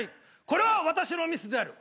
これは私のミスである。